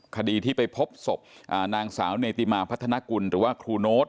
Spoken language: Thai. คดีที่ไปพบศพนางสาวเนติมาพัฒนากุลหรือว่าครูโน๊ต